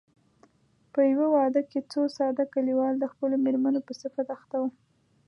په يوه واده کې څو ساده کليوال د خپلو مېرمنو په صفت اخته وو.